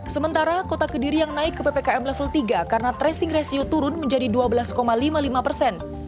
sementara kota kediri yang naik ke ppkm level tiga karena tracing ratio turun menjadi dua belas lima puluh lima persen